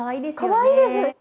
かわいいです！